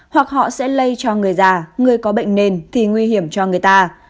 hoặc họ sẽ lây cho người già người có bệnh nền thì nguy hiểm cho người ta